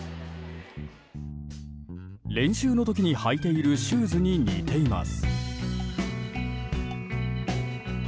練習の時に履いているシューズに似ています。